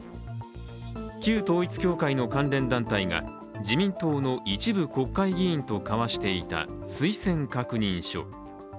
旧統一教会の関連団体が自民党の一部国会議員と交わしていた推薦確認書。